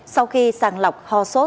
sau khi sàng lọc ho sốt